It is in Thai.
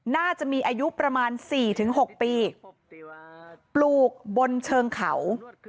น่าจะมีอายุประมาณ๔๖ปีปลูกบนเชิงเขา